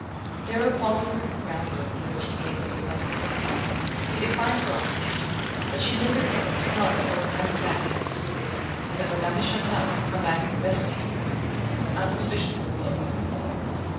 Darrow followed her into the brown room, where the tea table had been left for him. He declined her offer of tea, but she lingered a moment to tell him that Owen had in fact kept his word, and that Madame de Chantelle had come back in the best of humours, and unsuspicious of the blow about to fall.